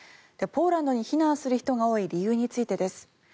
ポーランドに避難する人が多い理由についてです。